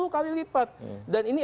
sepuluh kali lipat dan ini